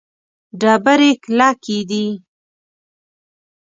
ډبرې کلکې دي.